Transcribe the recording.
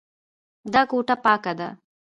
دا کوټه پاکه ده.